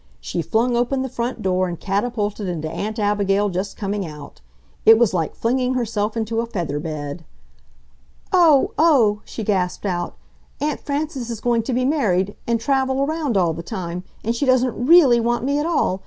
She flung open the front door and catapulted into Aunt Abigail just coming out. It was like flinging herself into a feather bed.... "Oh! Oh!" she gasped out. "Aunt Frances is going to be married. And travel around all the time! And she doesn't REALLY want me at all!